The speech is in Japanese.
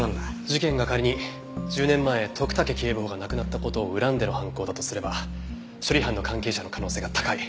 事件が仮に１０年前徳武警部補が亡くなった事を恨んでの犯行だとすれば処理班の関係者の可能性が高い。